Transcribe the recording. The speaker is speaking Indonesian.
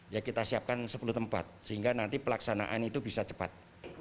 ya kita siapkan sepuluh tempat sehingga nanti pelaksanaan itu bisa cepat